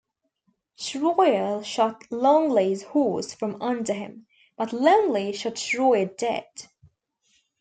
Shroyer shot Longley's horse from under him, but Longley shot Shroyer dead.